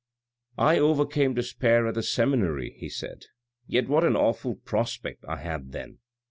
" I overcame despair at the seminary," he said, " yet what an awful prospect I had then.